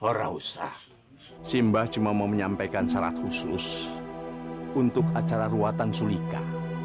tidak usah simba cuma mau menyampaikan syarat khusus untuk acara ruatan sulika